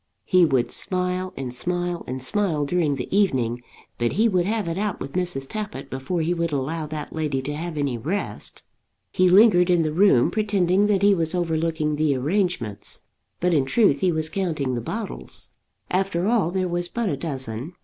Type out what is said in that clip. He would smile, and smile, and smile during the evening; but he would have it out with Mrs. Tappitt before he would allow that lady to have any rest. He lingered in the room, pretending that he was overlooking the arrangements, but in truth he was counting the bottles. After all there was but a dozen.